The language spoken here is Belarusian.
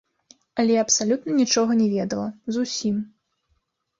Але я абсалютна нічога не ведала, зусім.